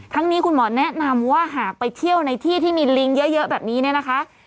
นี้คุณหมอแนะนำว่าหากไปเที่ยวในที่ที่มีลิงเยอะแบบนี้เนี่ยนะคะ